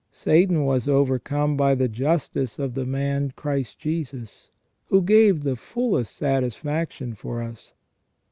Satan was overcome by the justice of the man Christ Jesus, who gave the fullest satisfaction for us.